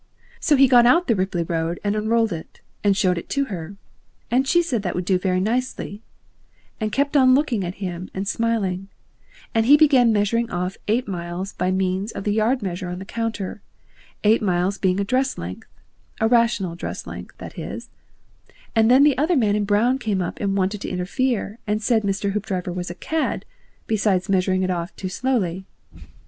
So he got out the Ripley road and unrolled it and showed it to her, and she said that would do very nicely, and kept on looking at him and smiling, and he began measuring off eight miles by means of the yard measure on the counter, eight miles being a dress length, a rational dress length, that is; and then the other man in brown came up and wanted to interfere, and said Mr. Hoopdriver was a cad, besides measuring it off too slowly.